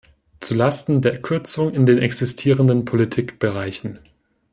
Zu Lasten der Kürzung in den existierenden Politikbereichen.